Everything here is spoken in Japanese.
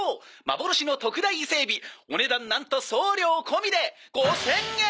幻の特大伊勢エビ」「お値段なんと送料込みで５０００円！」